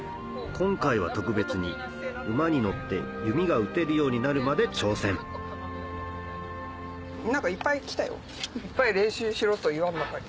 今回は特別に馬に乗って弓が打てるようになるまで挑戦いっぱい練習しろと言わんばかり。